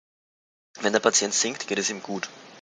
Wenn der Patient singt, geht es ihm gut.